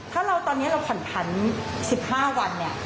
ถ้าเราตอนนี้เราผ่อนผัน๑๕วันเนี่ย